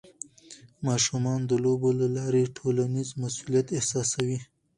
ماشومان د لوبو له لارې ټولنیز مسؤلیت احساسوي.